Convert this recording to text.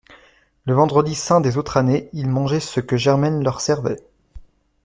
Le vendredi saint des autres années, ils mangeaient ce que Germaine leur servait.